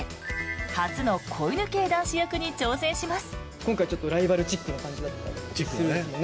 初の子犬系男子役に挑戦します。